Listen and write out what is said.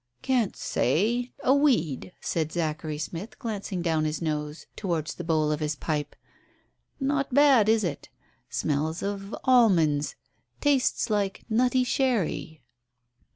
"Can't say a weed," said Zachary Smith, glancing down his nose towards the bowl of his pipe. "Not bad, is it? Smells of almonds tastes like nutty sherry."